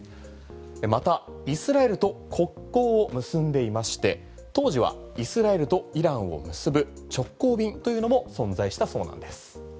またイスラエルと国交を結んでいまして当時はイスラエルとイランを結ぶ直行便というのも存在したそうなんです。